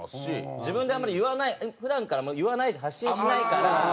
自分であんまり言わない普段から言わない発信しないから。